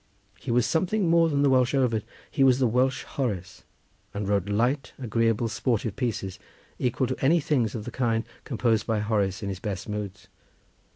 He was something more than the Welsh Ovid; he was the Welsh Horace, and wrote light, agreeable, sportive pieces, equal to any things of the kind composed by Horace in his best moods.